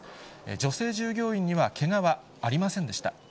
女性従業員にはけがはありませんでした。